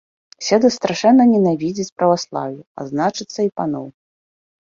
Сэдас страшэнна ненавідзіць праваслаўе, а значыцца, і паноў.